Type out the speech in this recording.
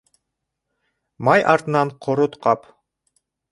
Май артынан ҡорот ҡап